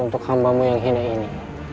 untuk hambamu yang hina ini